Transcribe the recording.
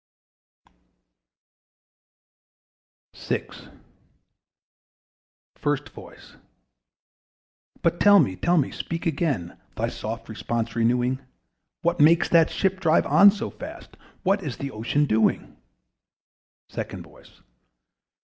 PART THE SIXTH. FIRST VOICE. But tell me, tell me! speak again, Thy soft response renewing What makes that ship drive on so fast? What is the OCEAN doing? SECOND VOICE.